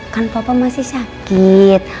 kan papa masih sakit